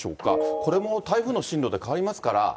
これも台風の進路で変わりますから。